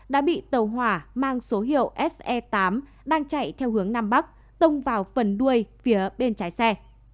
đã bị tàu hỏa mang số hiệu se tám đang chạy theo hướng nam bắc tông vào phần đuôi phía bên trái xe